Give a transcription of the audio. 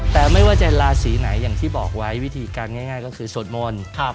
แต่ไม่ว่าจะราศีไหนอย่างที่บอกไว้วิธีการง่ายก็คือสวดมนต์